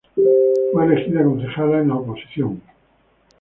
Fue elegida concejala en la oposición.